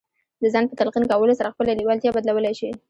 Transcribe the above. د ځان په تلقين کولو سره خپله لېوالتیا بدلولای شئ.